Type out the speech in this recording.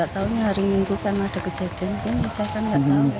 marta jumani lima puluh empat tahun berada di makam keputi rabu siang